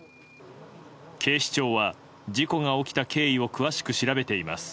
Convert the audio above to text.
警視庁は事故が起きた経緯を詳しく調べています。